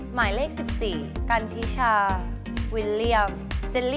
หมายเลข๑๔กันทิชาวิลเลียมเจลลี่